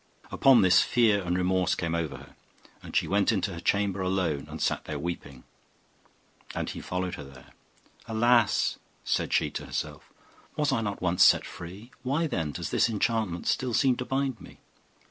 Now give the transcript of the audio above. Upon this, fear and remorse came over her, and she went into her chamber alone, and sat there weeping; and he followed her there. 'Alas!' said she to herself, 'was I not once set free? Why then does this enchantment still seem to bind me?